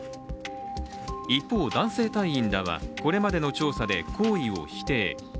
一方、男性隊員らはこれまでの調査で行為を否定。